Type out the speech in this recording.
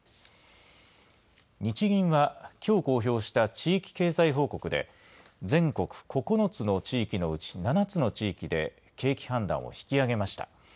日銀は、きょう公表した地域経済報告で、全国９つの地域のうち、７つの地域で景気判断を引き上げました。